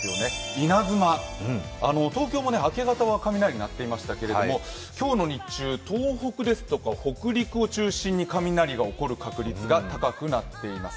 稲妻、東京も明け方は雷鳴っていましたけれども、今日の日中、東北ですとか北陸を中心に雷が鳴る確率が高くなっています。